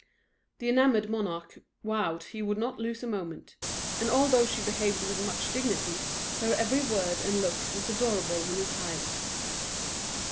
The enamoured monarch vowed he would not lose a moment; and although she behaved with much dignity, her every word and look was adorable in his eyes.